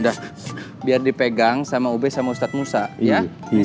udah biar dipegang sama ube sama ustadz musa ya